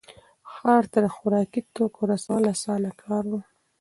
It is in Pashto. ښار ته د خوراکي توکو رسول اسانه کار و.